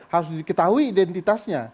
harus diketahui identitasnya